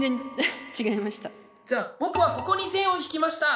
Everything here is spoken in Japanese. じゃあ僕はここに線を引きました。